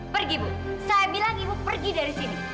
pergi ibu saya bilang ibu pergi dari sini